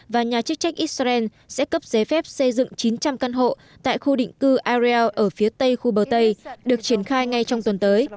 và nhà chức trách israel sẽ cấp giấy phép xây dựng chín trăm linh căn hộ tại khu định cư ariel ở phía tây khu bờ tây được triển khai ngay trong tuần tới